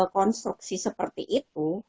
konstruksi seperti itu